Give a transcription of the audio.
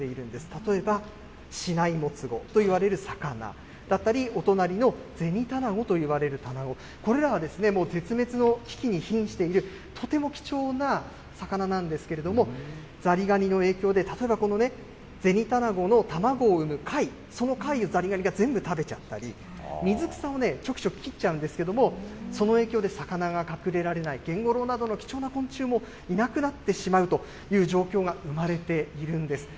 例えばシナイモツゴといわれる魚だったり、お隣のゼニタナゴといわれるタナゴ、これらはもう絶滅の危機にひんしているとても貴重な魚なんですけれども、ザリガニの影響で例えばこのゼニタナゴの卵を産む貝、その貝をザリガニが全部食べちゃったり、水草をちょきちょき切っちゃうんですけれども、その影響で魚が隠れられないゲンゴロウなどの貴重な昆虫もいなくなってしまうという状況が生まれているんです。